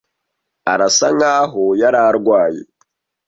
Arasa nkaho yari arwaye.